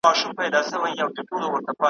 سل دي ومره خو د سلو سر دي مه مره ,